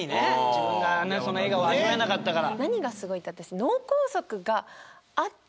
自分がその笑顔を味わえなかったから。